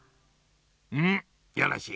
うんよろしい。